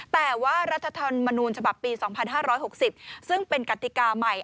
แต่ว่ารัฐธรรมนูญฉบับปี๒๕๖๐ซึ่งเป็นกติกาใหม่